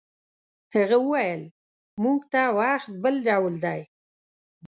هغه وویل موږ ته وخت بل ډول دی.